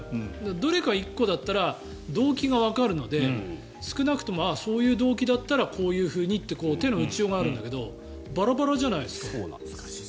どれか１個だったら動機はわかるのでそういう動機だったらこういうふうにっていう手の打ちようはあるけどバラバラじゃないですか。